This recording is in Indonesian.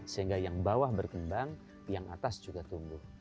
sehingga yang bawah berkembang yang atas juga tumbuh